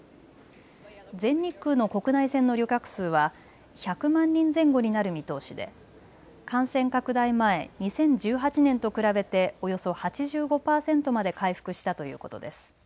全日空の国内線の旅客数は１００万人前後になる見通しで感染拡大前、２０１８年と比べておよそ８５パーセントまで回復したと言うことです。